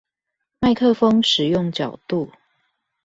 麥克風使用角度